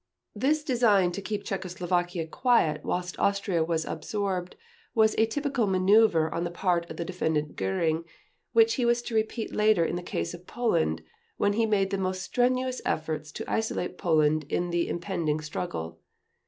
This design to keep Czechoslovakia quiet whilst Austria was absorbed was a typical maneuver on the part of the Defendant Göring, which he was to repeat later in the case of Poland, when he made the most strenuous efforts to isolate Poland in the impending struggle.